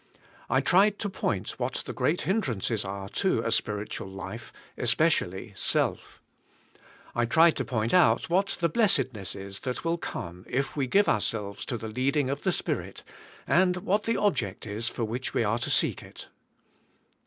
I tried to point what the great hindrances are to a spiritual life, especially self. I tried to point out what the blessedness is, that will come if we g ive ourselves to the leading of the Spirit and what the object is for which we are to seek it.